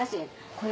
これ。